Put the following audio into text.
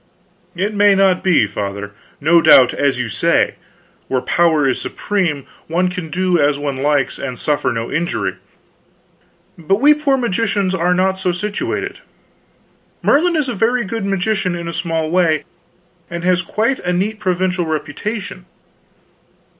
"It may not be, Father. No doubt, as you say, where power is supreme, one can do as one likes and suffer no injury; but we poor magicians are not so situated. Merlin is a very good magician in a small way, and has quite a neat provincial reputation.